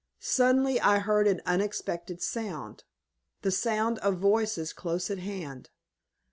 Suddenly I heard an unexpected sound the sound of voices close at hand.